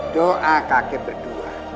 doa kakek berdua